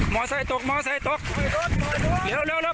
มอเซตตกมอเซตตกปล่อยรถปล่อยรถเร็วเร็วเร็ว